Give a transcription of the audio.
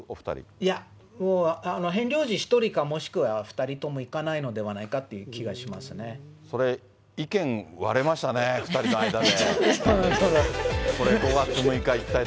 いや、ヘンリー王子１人か、もしくは２人とも行かないのではないかといこれ、意見割れましたね、２人の間で。